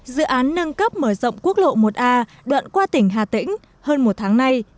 dự án nâng cấp mở rộng quốc lộ một a đoạn qua tỉnh hà tĩnh hơn một tháng nay